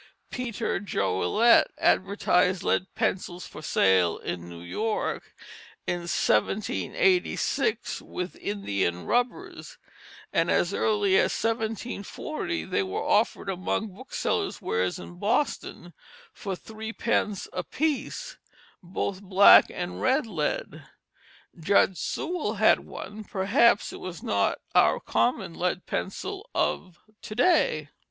Peter Goelet advertised lead pencils for sale in New York in 1786, with india rubbers, and as early as 1740 they were offered among booksellers' wares in Boston for threepence apiece, both black and red lead. Judge Sewall had one; perhaps it was not our common lead pencil of to day.